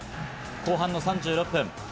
後半の３６分。